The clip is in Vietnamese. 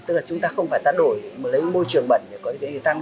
tức là chúng ta không phải tắt đổi lấy môi trường bẩn để có thể tăng